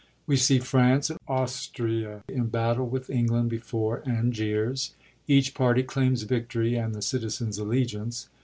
We see France and Austria in battle with England before Anglers. Each party claims victory and the citizens' allegiance.